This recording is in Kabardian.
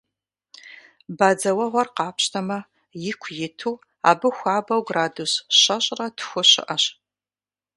Бадзэуэгъуэр къапщтэмэ, ику иту абы хуабэу градус щэщӏрэ тху щыӏэщ.